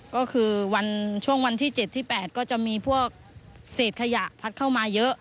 ก็คือวันช่วงวันที่๗ที่๘ก็จะมีพวกเศษขยะพัดเข้ามาเยอะ